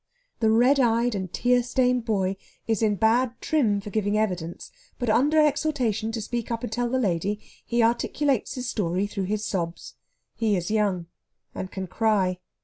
The red eyed and tear stained boy is in bad trim for giving evidence, but under exhortation to speak up and tell the lady he articulates his story through his sobs. He is young, and can cry.